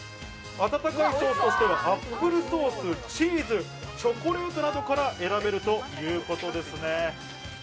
温かいソースとしては、アップルソース、チーズ、チョコレートなどから選べるということです。